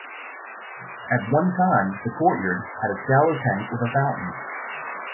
At one time, the courtyard had a shallow tank, with a fountain.